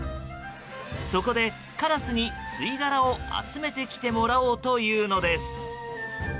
そこで、カラスに吸殻を集めてきてもらおうというのです。